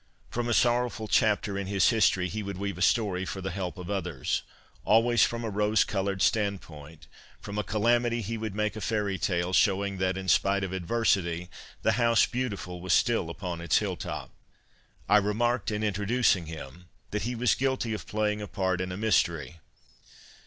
From a sorrowful chapter in his history he would weave a story for the help of others, always from a rose coloured standpoint ; from a calamity he would make a fairy tale, show ing that, in spite of adversity, the House Beautiful was still upon its hill top. I remarked, in introducing him, that he was guilty of playing a part in a mystery.